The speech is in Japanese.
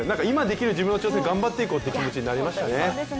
今できる自分の挑戦頑張っていこうという気持ちになりましたね。